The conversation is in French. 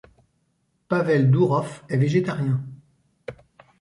Pavel Dourov est végétarien.